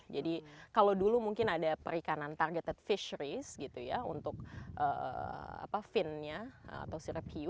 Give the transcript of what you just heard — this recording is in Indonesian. jadi kalau dulu mungkin ada perikanan targeted fisheries gitu ya untuk finnya atau sirip hiu